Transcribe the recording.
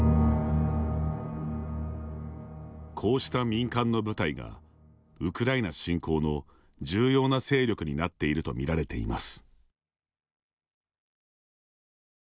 こうした民間の部隊がウクライナ侵攻の重要な勢力になっているとみられています。